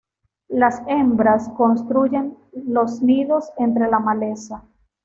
Las hembras construyen los nidos entre la maleza.